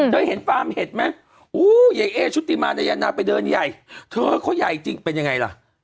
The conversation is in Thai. เธอเห็นฟาร์มเห็ดไหมอู้ยายเอชุติมานายนาไปเดินใหญ่เธอเขาใหญ่จริงเป็นยังไงล่ะ